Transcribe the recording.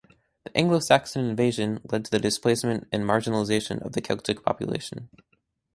The Anglo-Saxon invasion led to the displacement and marginalization of the Celtic population.